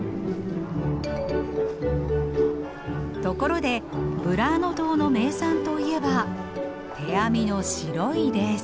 ところでブラーノ島の名産といえば手編みの白いレース。